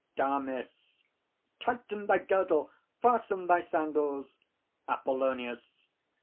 DAMIS. "Tighten thy girdle, fasten thy sandals!" APOLLONIUS.